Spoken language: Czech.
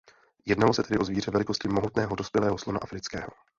Jednalo se tedy o zvíře velikosti mohutného dospělého slona afrického.